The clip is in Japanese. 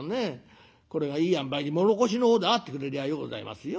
これがいいあんばいに唐土の方であってくれりゃようございますよ。